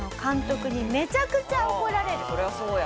そりゃそうや。